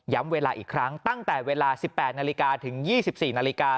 เวลาอีกครั้งตั้งแต่เวลา๑๘นาฬิกาถึง๒๔นาฬิกา